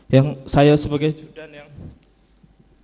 yang saya sebagai judan yang